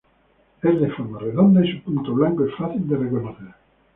Es de forma redonda y su punto blanco es fácil de reconocer.